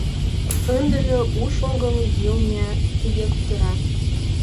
Ындыже уш огыл, йылме тыге кутыра.